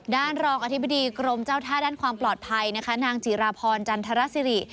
รองอธิบดีกรมเจ้าท่าด้านความปลอดภัยนะคะนางจิราพรจันทรสิริ